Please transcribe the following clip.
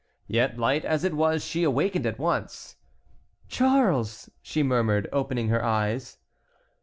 Yet, light as it was, she awakened at once. "Charles!" she murmured, opening her eyes.